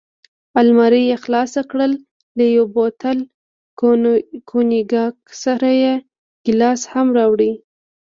المارۍ یې خلاصه کړل، له یو بوتل کونیګاک سره یې ګیلاس هم راوړ.